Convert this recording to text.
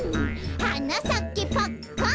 「はなさけパッカン